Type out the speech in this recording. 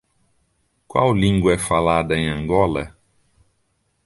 Qual língua é falada em Angola?